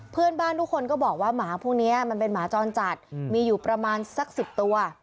เพื่อนบ้านทุกคนก็บอกว่าหมาพวกนี้มันเป็นหมาจรจัดมีอยู่ประมาณสัก๑๐ตัว